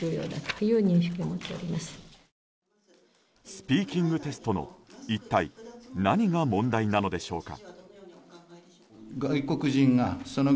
スピーキングテストの一体何が問題なのでしょうか。